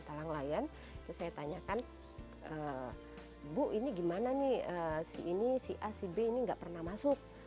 saya tanyakan bu ini gimana nih si a si b ini tidak pernah masuk